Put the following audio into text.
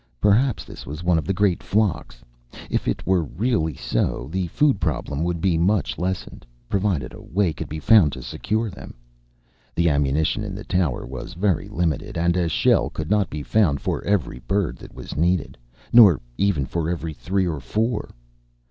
Perhaps this was one of the great flocks. If it were really so, the food problem would be much lessened, provided a way could be found to secure them. The ammunition in the tower was very limited, and a shell could not be found for every bird that was needed, nor even for every three or four.